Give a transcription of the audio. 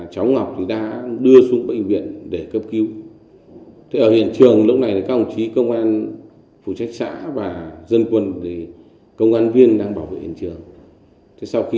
cần đó bột đi fourier tanto tỷ tầng hai mươi degree đàn ballethhh